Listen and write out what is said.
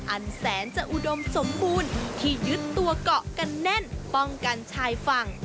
อันแสนจะอุดมสมบูรณ์ที่ยึดตัวเกาะกันแน่นป้องกันชายฝั่ง